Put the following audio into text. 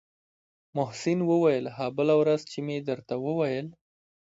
محسن وويل ها بله ورځ چې مې درته وويل.